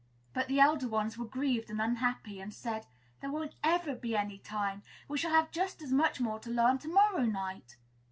But the elder ones were grieved and unhappy, and said, "There won't ever be any time; we shall have just as much more to learn to morrow night."